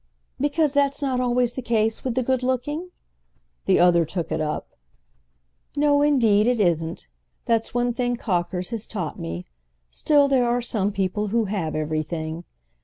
"Because that's not always the case with the good looking?"—the other took it up. "No, indeed, it isn't: that's one thing Cocker's has taught me. Still, there are some people who have everything.